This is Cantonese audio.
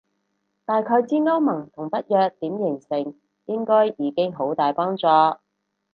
大概知歐盟同北約點形成應該已經好大幫助